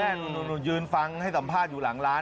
หนูยืนฟังให้สัมภาษณ์อยู่หลังร้าน